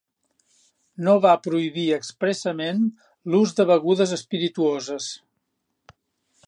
No va prohibir expressament l'ús de begudes espirituoses.